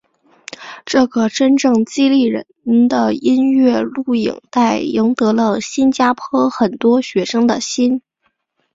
这个真正激励人的音乐录影带赢得了新加坡很多学生的心。